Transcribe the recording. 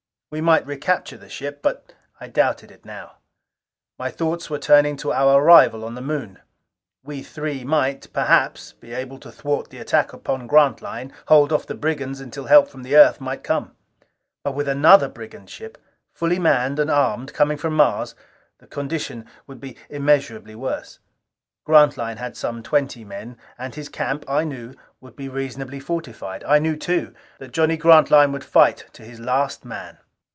We might recapture the ship, but I doubted it now. My thoughts were turning to our arrival on the Moon. We three might, perhaps, be able to thwart the attack upon Grantline, hold the brigands off until help from the Earth might come. But with another brigand ship, fully manned and armed, coming from Mars, the condition would be immeasurably worse. Grantline had some twenty men, and his camp, I knew, would be reasonably fortified. I knew too, that Johnny Grantline would fight to his last man.